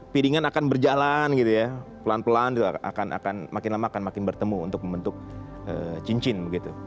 piringan akan berjalan gitu ya pelan pelan itu akan makin lama akan makin bertemu untuk membentuk cincin begitu